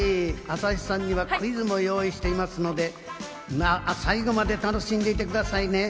朝日さんにはクイズも用意していますので、最後まで楽しんでいってくださいね。